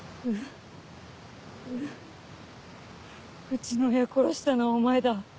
うちの親殺したのお前だ。